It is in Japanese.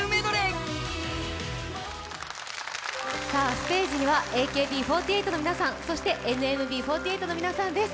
ステージにはＡＫＢ４８の皆さんそしてＮＭＢ４８の皆さんです。